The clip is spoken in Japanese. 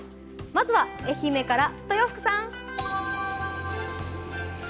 まずは愛媛から豊福さん。